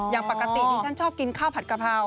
อย่างปกติดิฉันชอบกินข้าวผัดกะเพรา